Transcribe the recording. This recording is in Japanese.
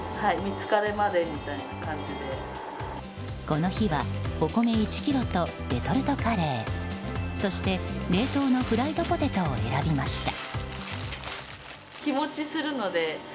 この日は、お米１ｋｇとレトルトカレーそして冷凍のフライドポテトを選びました。